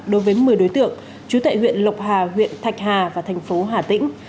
đối với một mươi đối tượng trú tại huyện lộc hà huyện thạch hà và thành phố hà tĩnh